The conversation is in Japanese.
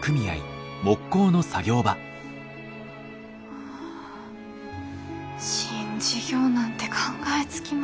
ああ新事業なんて考えつきません。